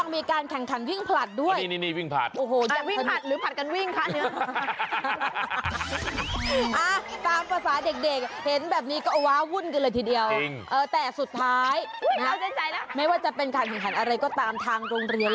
นี่ก็ไม่ได้เรียนเรื่องผลแพ้ชนะหรอกเอาจริง